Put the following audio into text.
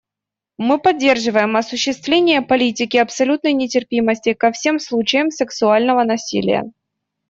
Мы поддерживаем осуществление политики абсолютной нетерпимости ко всем случаям сексуального насилия.